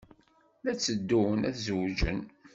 La tteddun ad zewǧen.